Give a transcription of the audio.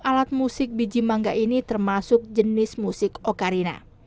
alat musik biji manga ini termasuk jenis musik ocarina